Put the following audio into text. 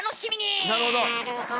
なるほど！